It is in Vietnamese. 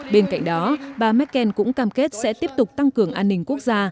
bên cạnh đó bà merkel cũng cam kết sẽ tiếp tục tăng cường an ninh quốc gia